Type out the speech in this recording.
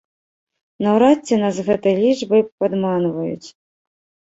Наўрад ці нас з гэтай лічбай падманваюць.